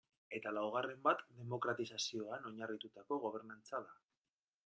Eta laugarren bat demokratizazioan oinarritutako gobernantza da.